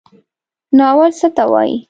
ناول څه ته وایي؟